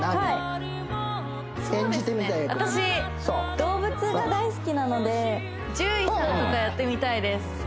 私動物が大好きなので獣医さんとかやってみたいです